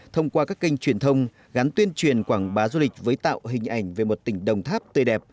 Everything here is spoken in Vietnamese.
thông qua các kênh truyền thông gắn tuyên truyền quảng bá du lịch với tạo hình ảnh về một tỉnh đồng tháp tươi đẹp